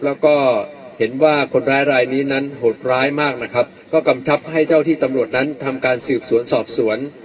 แล้วก็เห็นว่าคนร้ายรายนี้นั้นโหดร้ายมากนะครับก็กำชับให้เจ้าที่ตำรวจนั้นทำการสืบสวนสอบสวน